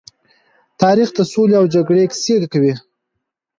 تاریخ د سولې او جګړې کيسه کوي.